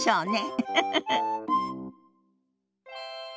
ウフフフ。